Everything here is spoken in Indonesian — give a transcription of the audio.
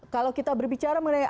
kalau kita berbicara mengenai